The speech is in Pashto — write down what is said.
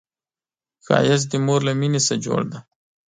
ښایست د مور له مینې نه جوړ دی